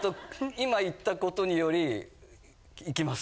今言ったことによりいきます。